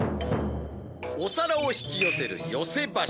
お皿を引き寄せる寄せ箸。